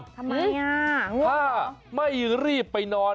ทำไมล่ะหรือเปล่าเหรอถ้าไม่รีบไปนอน